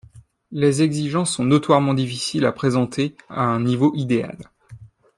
Les exigences sont notoirement difficiles à présenter à un niveau idéal.